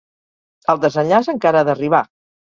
El desenllaç encara ha d’arribar.